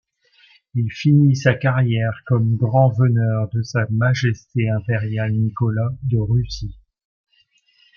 Il finit sa carrière comme Grand veneur de Sa Majesté impériale Nicolas de Russie.